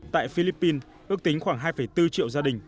tại philippines ước tính khoảng hai bốn triệu gia đình